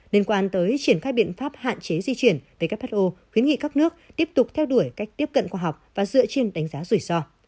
liên quan tới triển khai biện pháp hạn chế di chuyển who khuyến nghị các nước tiếp tục theo đuổi cách tiếp cận khoa học và dựa trên đánh giá rủi ro